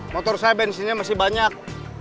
motor saya bensinnya masih banyak